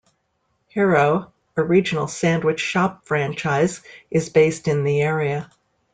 Hero, a regional sandwich shop franchise, is based in the area.